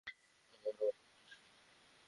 আমার অভার কিসের?